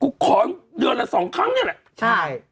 ขอเดือนละสองครั้งนี่แหละใช่